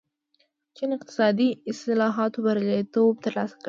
چین اقتصادي اصلاحاتو بریالیتوب ترلاسه کړ.